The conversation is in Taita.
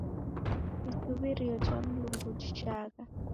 Isuw'irio jha Mlungu jhichagha.